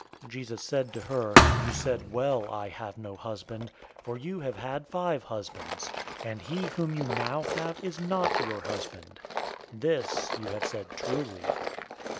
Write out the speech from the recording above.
Jesus said to her, "You said well, 'I have no husband,' 004:018 for you have had five husbands; and he whom you now have is not your husband. This you have said truly."